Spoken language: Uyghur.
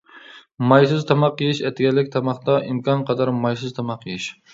مايسىز تاماق يېيىش ئەتىگەنلىك تاماقتا ئىمكانقەدەر مايسىز تاماق يېيىش.